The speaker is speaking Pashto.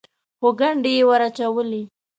خو ګنډې یې ور اچولې.